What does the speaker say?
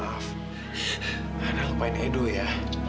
kak fadil lupain edo ya